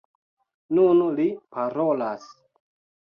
Nun li parolas.